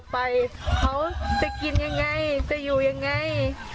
ไปเขาจะกินยังไงจะอยู่ยังไง